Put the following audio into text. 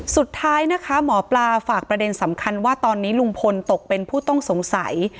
สุดท้ายนะคะหมอปลาฝากประเด็นสำคัญว่าตอนนี้ลุงพลตกเป็นผู้ต้องสงสัย